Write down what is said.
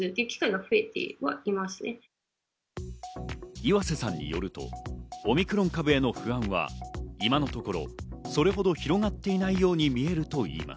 岩瀬さんによるとオミクロン株への不安は今のところ、それほど広がっていないように見えるといいます。